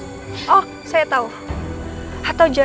atau jangan jangan kamu itu dibawomin sama randy